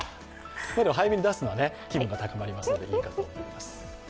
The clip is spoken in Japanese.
早めに出すのは気分が高まるのでいいかと思います。